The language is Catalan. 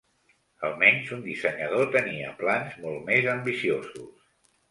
Almenys un dissenyador tenia plans molt més ambiciosos.